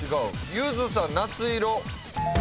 ゆずさん夏色。